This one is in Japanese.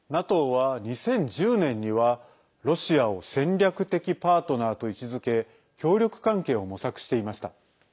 ＮＡＴＯは２０１０年にはロシアを戦略的パートナーと位置づけ協力関係を模索していました。